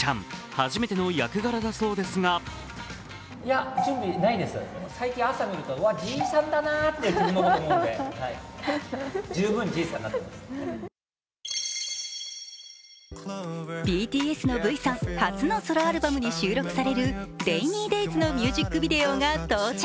初めての役柄だそうですがＢＴＳのＶさん、初のソロアルバムに収録される「ＲａｉｎｙＤａｙｓ」のミュージックビデオが到着。